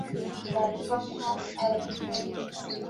沙勿略成为第一位踏上日本国土的天主教传教士。